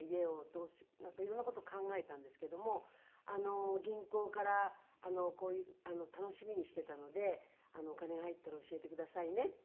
なんか色んな事を考えたんですけども銀行から楽しみにしていたので「お金が入ったら教えてくださいね」って言って。